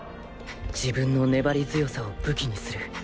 自分の粘り強さを武器にする。